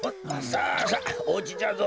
さあさあおうちじゃぞ。